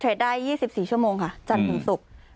ได้๒๔ชั่วโมงค่ะจันทร์ถึงศุกร์